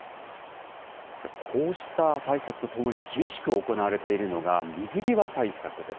こうした対策とともに厳しく行われているのが、水際対策です。